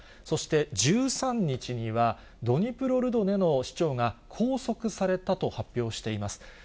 そして、１３日には、ドニプロルドネの市長が拘束されたと発表しています。